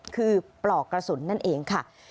คือปลอกกระสุนนั่นเองค่ะ